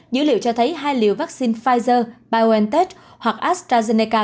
dữ liệu cho thấy hai liều vaccine pfizer biontech hoặc astrazeneca